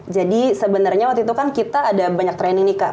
jadi sebenarnya waktu itu kan kita ada banyak training nih kak